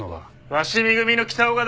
鷲見組の北岡だ！